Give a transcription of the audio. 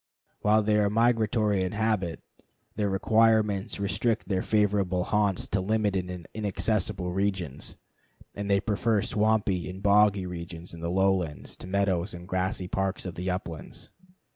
While they are migratory in habit, their requirements restrict their favorite haunts to limited and inaccessible areas, and they prefer swampy and boggy regions in the lowlands to the meadows and grassy parks of the uplands.